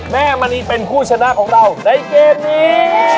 แม่มณีเป็นผู้ชนะของเราในเกมนี้